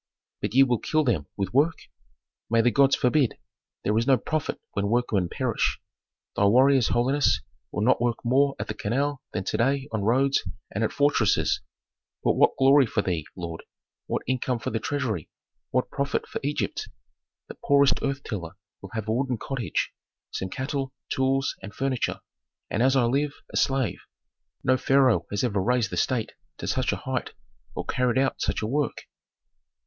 "But ye will kill them with work?" "May the gods forbid! There is no profit when workmen perish. Thy warriors, holiness, will not work more at the canal than to day on roads and at fortresses but what glory for thee, lord! what income for the treasury, what profit for Egypt! The poorest earth tiller will have a wooden cottage, some cattle, tools, and furniture, and as I live, a slave. No pharaoh has ever raised the state to such a height or carried out such a work.